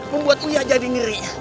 membuat uya jadi ngeri